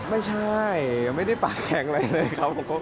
ไม่ใช่ยังไม่ได้ปากแข็งอะไรเลยครับผม